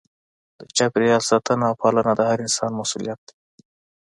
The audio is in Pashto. د چاپیریال ساتنه او پالنه د هر انسان مسؤلیت دی.